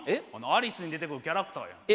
「アリス」に出てくるキャラクターやん。